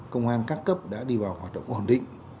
công an các cấp đã đi vào hoạt động ổn định